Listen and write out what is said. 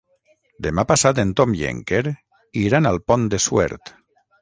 Demà passat en Tom i en Quer iran al Pont de Suert.